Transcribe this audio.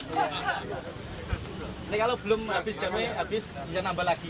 ini kalau belum habis jamnya habis bisa nambah lagi